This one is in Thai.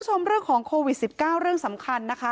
คุณผู้ชมเรื่องของโควิด๑๙เรื่องสำคัญนะคะ